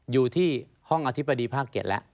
อยู่ที่ห้องอธิบดีภาค๗แล้ว